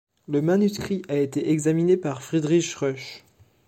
Le manuscrit a été examiné par Friedrich Rösch.